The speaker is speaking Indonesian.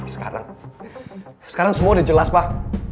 sekarang sekarang semua udah jelas pak